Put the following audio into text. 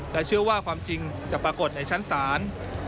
และเชื่อว่าความจริงจะปรากฏในชั้นศาล